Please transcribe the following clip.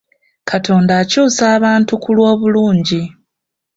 Katonda akyusa abantu ku lw'obulungi.